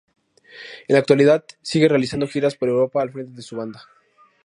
En la actualidad sigue realizando giras por Europa al frente de su banda.